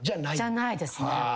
じゃないですね